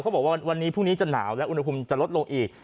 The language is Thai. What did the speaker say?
บอกว่าวันนี้พรุ่งนี้จะหนาวและอุณหภูมิจะลดลงอีก